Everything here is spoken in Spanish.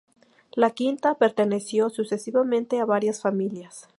La quinta perteneció sucesivamente a varias familias.